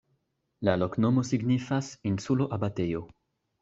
La loknomo signifas: insulo-abatejo.